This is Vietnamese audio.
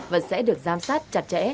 và sẽ được giám sát chặt chẽ